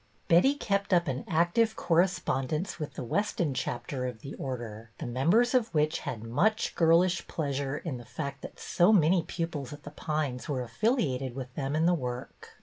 Betty kept up an active correspondence with the Weston chapter of the Order, the members of which had much girlish pleas ure in the fact that so many pupils at The Pines were affiliated with them in the work.